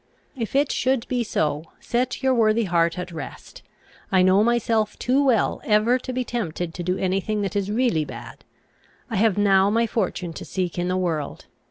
If it should be so, set your worthy heart at rest. I know myself too well, ever to be tempted to do any thing that is really bad. I have now my fortune to seek in the world.